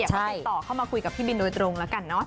ก็ติดต่อเข้ามาคุยกับพี่บินโดยตรงแล้วกันเนาะ